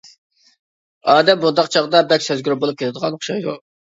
ئادەم بۇنداق چاغدا بەك سەزگۈر بولۇپ كېتىدىغان ئوخشايدۇ.